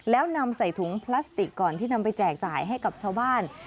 แล้วนำใส่ถุงพลาสติกก่อนที่นำไปแจกจ่ายให้กับชาวบ้าน